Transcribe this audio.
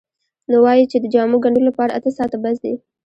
نو وایي چې د جامو ګنډلو لپاره اته ساعته بس دي.